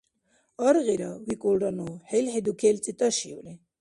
— Аргъира, — викӀулра ну, хӀилхӀи дукелцӀи тӀашиули.